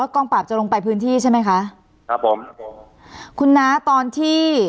กองปราบจะลงไปพื้นที่ใช่ไหมคะครับผมครับผมคุณน้าตอนที่